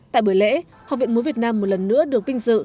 tại buổi lễ học viện múa việt nam một lần nữa được vinh dự